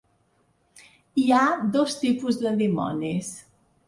Hi ha dos tipus de dimonis.